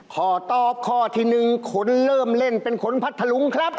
ขอตอบข้อที่หนึ่งคนเริ่มเล่นเป็นคนพัฒน์ธรุงครับ